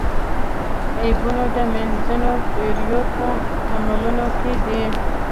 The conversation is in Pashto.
عیبونه د منځنیو پېړیو په عملونو کې دي.